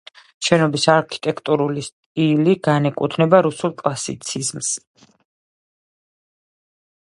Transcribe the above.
შენობის არქიტექტურული სტილი განეკუთვნება რუსულ კლასიციზმს.